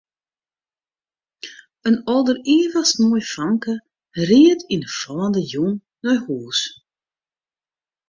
In alderivichst moai famke ried yn 'e fallende jûn nei hús.